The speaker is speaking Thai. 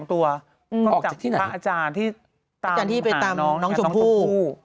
อาจารย์ที่ไปตามน้องสมผู้